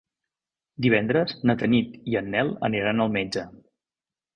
Divendres na Tanit i en Nel aniran al metge.